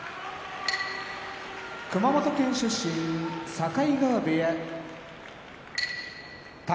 熊本県出身境川部屋宝